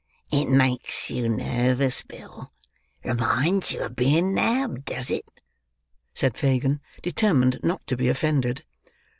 "It make you nervous, Bill,—reminds you of being nabbed, does it?" said Fagin, determined not to be offended.